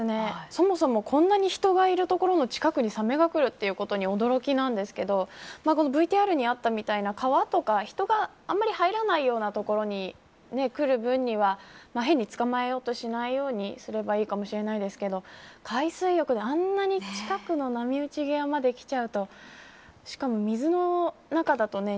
そもそも、こんなに人がいる所の近くにサメがくるということに驚きなんですがＶＴＲにあったみたいな川とか人があんまり入らないような所に来る分には変に捕まえようとしないようにすればいいかもしれませんが海水浴であんなに近くの波打ち際まで来ちゃうとしかも、水の中だとね。